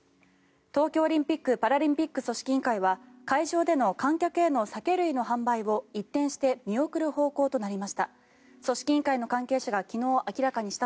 東京オリンピック・パラリンピック組織委員会は会場での観客への酒類の販売を一転して見送る方向となりました。